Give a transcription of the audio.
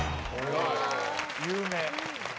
有名。